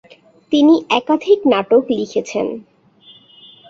তিনি একাধিক নাটক লিখেছেন।